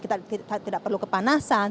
kita tidak perlu kepanasan